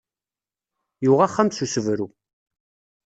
Yuɣ axxam s usebru.